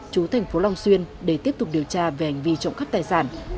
chú thành phố long xuyên để tiếp tục điều tra về hành vi trộm cắp tài sản